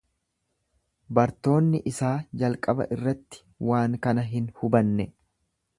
Bartoonni isaa jalqaba irratti waan kana hin hubanne.